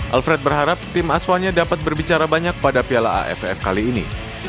alfred berharap tim aswanya dapat berbicara banyak pada piala aff kali ini